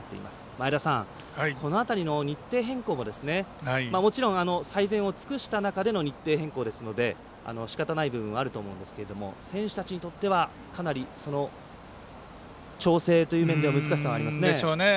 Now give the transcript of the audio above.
前田さん、この辺りの日程変更ももちろん最善を尽くした中での日程変更でしたのでしかたない部分はあると思いますが選手たちにとってはかなり、調整という面では難しさがありますね。